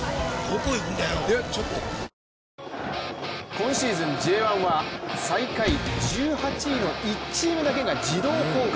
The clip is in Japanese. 今シーズンＪ１は最下位１８位の１チームだけが自動降格。